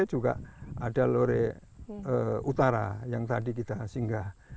juga ada lore utara yang tadi kita singgah